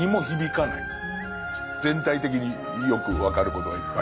全体的によく分かることがいっぱい。